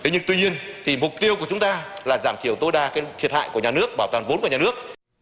nhưng tuy nhiên thì mục tiêu của chúng ta là giảm thiểu tối đa thiệt hại của nhà nước bảo toàn vốn của nhà nước